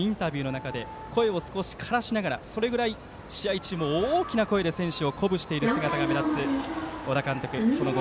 インタビューで声を少し枯らしながらそれぐらい試合中も大きな声で選手を鼓舞している姿が目立つ小田監督。